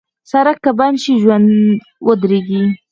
سړک که بند شي، ژوند ودریږي.